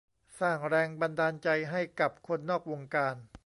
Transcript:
สร้างแรงบันดาลใจให้กับคนนอกวงการ